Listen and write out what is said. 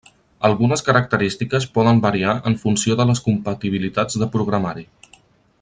Algunes característiques poden variar en funció de les compatibilitats de programari.